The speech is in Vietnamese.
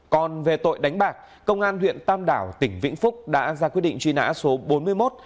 còn về tội đánh bạc công an huyện tam đảo tỉnh vĩnh phúc đã ra quyết định truy nã số bốn mươi một